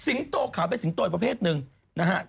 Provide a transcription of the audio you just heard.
โตขาวเป็นสิงโตอีกประเภทหนึ่งนะฮะ